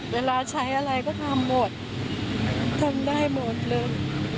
เวลาใช้อะไรก็ทำหมดทำได้หมดเลย